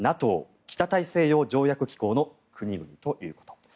ＮＡＴＯ・北大西洋条約機構の国々ということ。